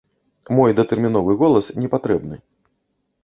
Мой датэрміновы голас непатрэбны.